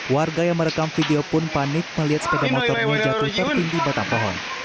warga yang merekam video pun panik melihat sepeda motornya jatuh tertimbu batang pohon